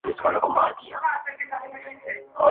غرونه ډک له داړه مارو کلي ډک دي له خونکارو!